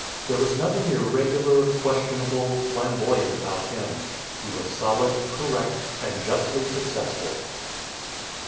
There was nothing irregular, questionable, flamboyant about him. He was solid, correct, and justly successful.